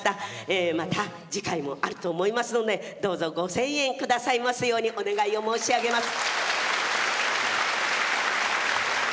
また次回もあると思いますのでどうぞご声援くださいますようにお願いを申し上げます。